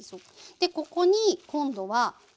でここに今度は。